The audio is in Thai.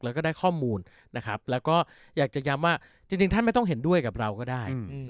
แล้วก็ได้ข้อมูลนะครับแล้วก็อยากจะย้ำว่าจริงท่านไม่ต้องเห็นด้วยกับเราก็ได้